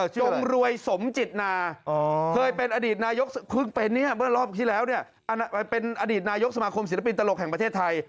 ชมรวยสมจิตนาเคยเป็นอดีตนายกสมาคมศิลปินตลกแห่งประเทศไทย